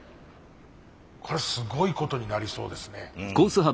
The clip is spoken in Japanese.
これすごいことになりそうですね。